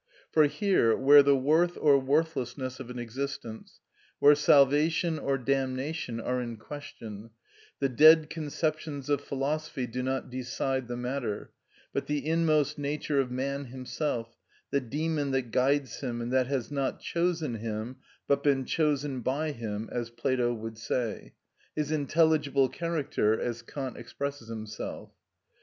For here, where the worth or worthlessness of an existence, where salvation or damnation are in question, the dead conceptions of philosophy do not decide the matter, but the inmost nature of man himself, the Dæmon that guides him and that has not chosen him, but been chosen by him, as Plato would say; his intelligible character, as Kant expresses himself.